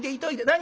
何？